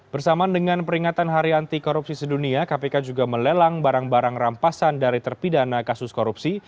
bersamaan dengan peringatan hari anti korupsi sedunia kpk juga melelang barang barang rampasan dari terpidana kasus korupsi